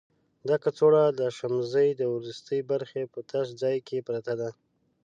دا کڅوړه د شمزۍ د وروستي برخې په تش ځای کې پرته ده.